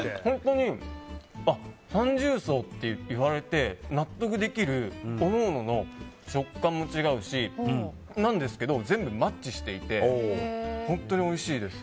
三重奏っていわれて納得できる各々の食感も違うしそうなんですけど全部マッチしていて本当においしいです。